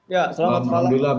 ya selamat malam